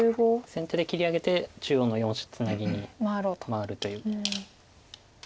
先手で切り上げて中央の４子ツナギに回るという。